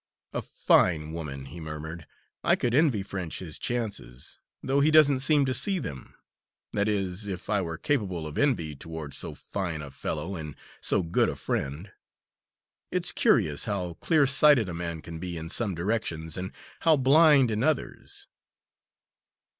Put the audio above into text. "A fine woman," he murmured, "I could envy French his chances, though he doesn't seem to see them that is, if I were capable of envy toward so fine a fellow and so good a friend. It's curious how clearsighted a man can be in some directions, and how blind in others."